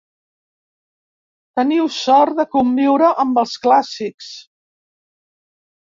Teniu sort de conviure amb els clàssics!